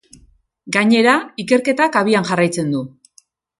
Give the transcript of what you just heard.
Gainera, ikerketak abian jarraitzen du.